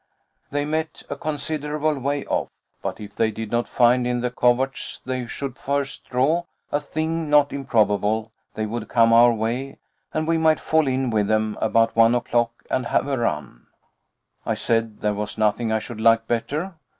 They met a considerable way off, but if they did not find in the coverts they should first draw, a thing not improbable, they would come our way, and we might fall in with them about one o'clock and have a run. I said there was nothing I should like better.